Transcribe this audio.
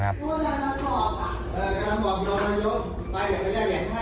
กล้มหยิบเกร็ดล่ะครับ